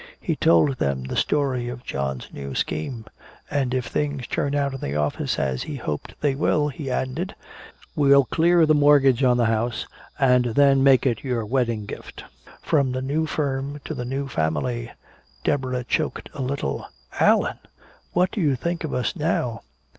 He told them the story of John's new scheme. "And if things turn out in the office as I hope they will," he ended, "we'll clear the mortgage on the house and then make it your wedding gift from the new firm to the new family." Deborah choked a little: "Allan! What do you think of us now?"